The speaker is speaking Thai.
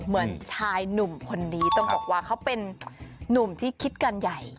เหมือนชายหนุ่มคนนี้ต้องบอกว่าเขาเป็นนุ่มที่คิดกันใหญ่